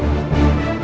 aku akan menang